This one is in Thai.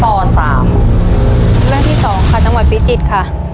เรื่องที่๒จังหวัดพิจิตย์ค่ะ